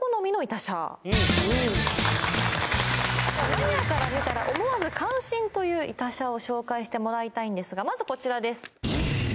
マニアから見たら思わず感心という痛車を紹介してもらいたいんですがまずこちらです